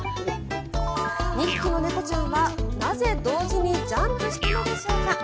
２匹の猫ちゃんは、なぜ同時にジャンプしたのでしょうか。